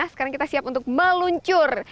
sekarang kita siap untuk meluncur